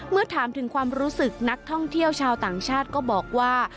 เมื่อถามถึงความรู้สึกนักท่องเที่ยวชาวต่างชาติก็บอกว่า